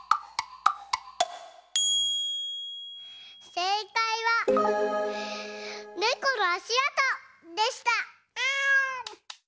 せいかいは「ネコのあしあと」でした！